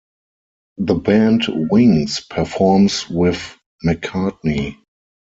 The band Wings performs with McCartney.